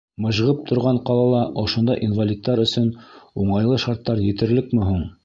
Ә мыжғып торған ҡалала ошондай инвалидтар өсөн уңайлы шарттар етерлекме һуң?